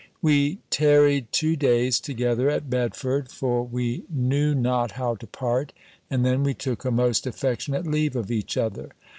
We tarried two days together at Bedford; for we knew not how to part; and then we took a most affectionate leave of each other.